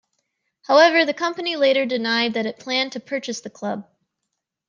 However, the company later denied that it planned to purchase the club.